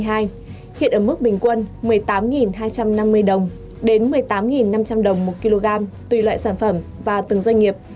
hiện ở mức bình quân một mươi tám hai trăm năm mươi đồng đến một mươi tám năm trăm linh đồng một kg tùy loại sản phẩm và từng doanh nghiệp